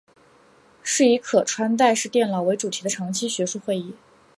是以可穿戴式电脑为主题的长期学术会议。